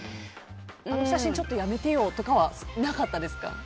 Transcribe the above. あの写真ちょっとやめてよとかはなかったですか？